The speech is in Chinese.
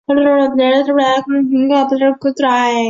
势能曲线图的峰顶为平面构象。